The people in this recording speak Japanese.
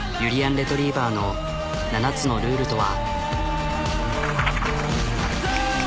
レトリィバァの７つのルールとは。